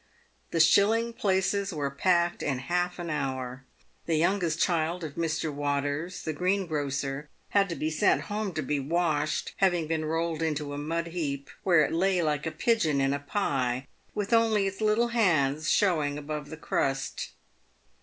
The shilling places were packed in half an hour. The youngest child of Mr. "Waters, the greengrocer, had to be sent home to be washed, having been rolled into a mud heap, where it lay like a pigeon in a pie, with only its little hands showing above the crust.